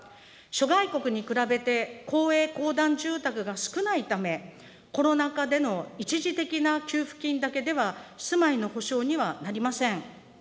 諸外国に比べて、公営・公団住宅が少ないため、コロナ禍での一時的な給付金だけでは、住まいの保障にはなりません。